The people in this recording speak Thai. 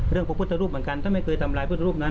เรื่องพวกพุทธรูปเหมือนกันท่านไม่เคยทำลายพุทธรูปนั้น